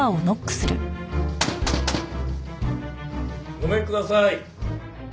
ごめんください。